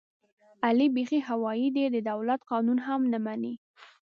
علي بیخي هوایي دی، د دولت قانون هم نه مني.